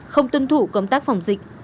không tuân thủ công tác phòng dịch